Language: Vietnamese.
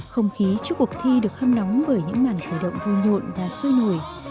không khí trước cuộc thi được hâm nóng bởi những màn khởi động vui nhộn và sôi nổi